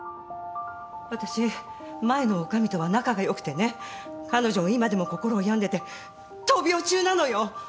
私前の女将とは仲が良くてね彼女今でも心を病んでて闘病中なのよ。